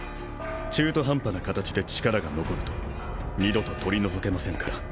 中途半端な形で力が残ると二度と取り除けませんから。